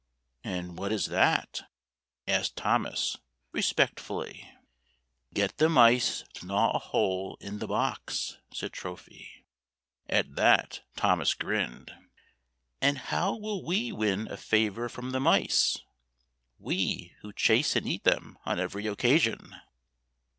"And what is that?" asked Thomas, respectfully. [ 59 ] FAVORITE FAIRY TALES RETOLD •" Get the mice to gnaw a hole in the box,'* said Trophy. At that Thomas gi'inned. " And how will we win a favor from the mice — we, who chase and eat them on every occasion?